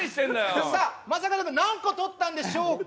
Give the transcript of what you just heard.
さあ、正門君、何個取ったんでしょうか？